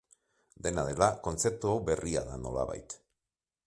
Dena dela, kontzeptu hau berria da nolabait.